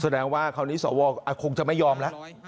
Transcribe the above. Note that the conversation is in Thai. แสดงว่าคราวนี้สวคงจะไม่ยอมแล้ว